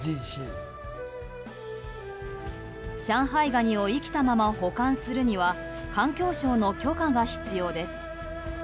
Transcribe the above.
ガニを生きたまま保管するには環境省の許可が必要です。